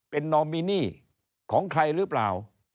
เป็นนอมินีของใครหรือเปล่า